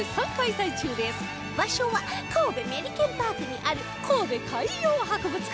場所は神戸メリケンパークにある神戸海洋博物館